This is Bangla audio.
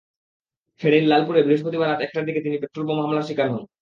ফেনীর লালপুরে বৃহস্পতিবার রাত একটার দিকে তিনি পেট্রোলবোমা হামলার শিকার হন।